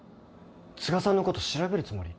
都賀さんのこと調べるつもり？